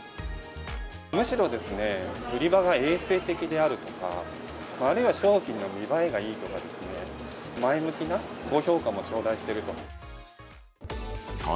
むしろ、売り場が衛生的であるとか、あるいは商品の見栄えがいいとかですね、前向きなご評価も頂戴していると。